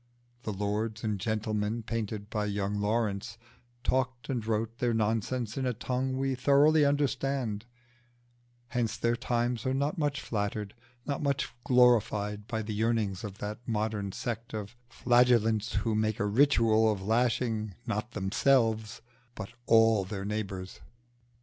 The lords and gentlemen painted by young Lawrence talked and wrote their nonsense in a tongue we thoroughly understand; hence their times are not much flattered, not much glorified by the yearnings of that modern sect of Flagellants who make a ritual of lashing not themselves but all their neighbours.